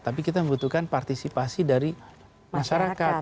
tapi kita membutuhkan partisipasi dari masyarakat